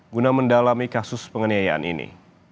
guna mendalami kasus penganiayaan ini